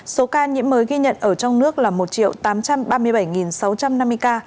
số ca nhiễm mới ghi nhận ở trong nước là một tám trăm ba mươi bảy ca mắc covid một mươi chín